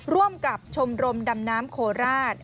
ร่วมกับชมรมดำน้ำโคราช